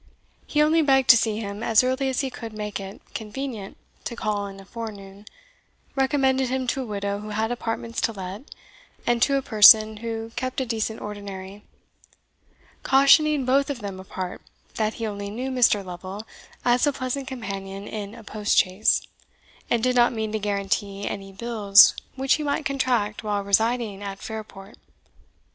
He only begged to see him as early as he could make it convenient to call in a forenoon, recommended him to a widow who had apartments to let, and to a person who kept a decent ordinary; cautioning both of them apart, that he only knew Mr. Lovel as a pleasant companion in a post chaise, and did not mean to guarantee any bills which he might contract while residing at Fairport.